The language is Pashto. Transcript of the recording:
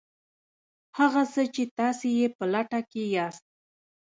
هغه څه چې تاسې یې په لټه کې یاست